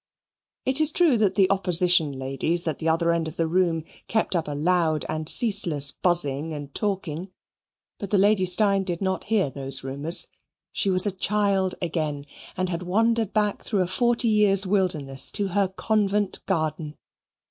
It is true that the opposition ladies at the other end of the room kept up a loud and ceaseless buzzing and talking, but the Lady Steyne did not hear those rumours. She was a child again and had wandered back through a forty years' wilderness to her convent garden.